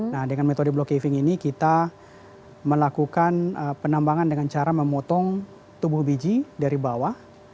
nah dengan metode block caving ini kita melakukan penambangan dengan cara memotong tubuh biji dari bawah